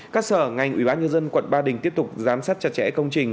các sở ngành ủy ban nhân dân quận ba đình tiếp tục giám sát chặt chẽ công trình